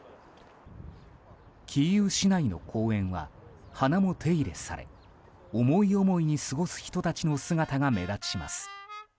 キーウ市内の公園は花も手入れされ思い思いに過ごす人たちの姿が目立ちます。